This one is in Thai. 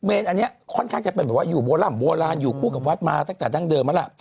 เนรอันนี้ค่อนข้างจะเป็นแบบว่าอยู่โบร่ำโบราณอยู่คู่กับวัดมาตั้งแต่ดั้งเดิมแล้วล่ะ